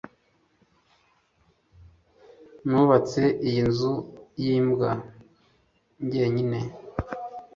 nubatse iyi nzu yimbwa jyenyine